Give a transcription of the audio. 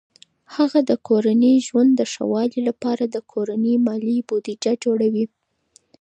هغه د کورني ژوند د ښه والي لپاره د کورني مالي بودیجه جوړوي.